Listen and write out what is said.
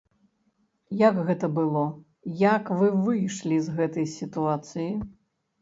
Як гэта было, як вы выйшлі з гэтай сітуацыі?